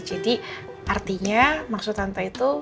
jadi artinya maksud tante itu